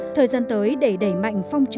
thời gian tới để đẩy mạnh phong trào